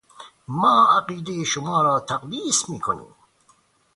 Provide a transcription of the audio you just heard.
ما عقیدهٔ شما را تقدیس میکنیم.